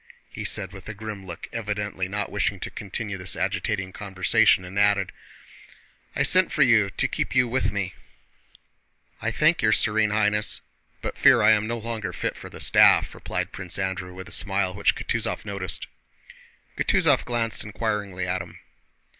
he said with a grim look, evidently not wishing to continue this agitating conversation, and added: "I sent for you to keep you with me." "I thank your Serene Highness, but I fear I am no longer fit for the staff," replied Prince Andrew with a smile which Kutúzov noticed. Kutúzov glanced inquiringly at him.